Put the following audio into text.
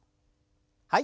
はい。